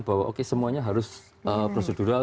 bahwa oke semuanya harus prosedural